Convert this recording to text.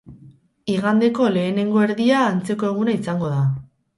Igandeko lehenengo erdia antzeko eguna izango da.